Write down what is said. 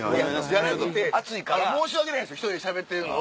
じゃなくて申し訳ないんです１人でしゃべってるのを。